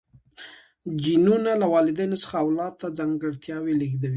جینونه له والدینو څخه اولاد ته ځانګړتیاوې لیږدوي